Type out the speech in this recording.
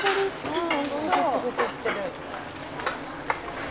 うん。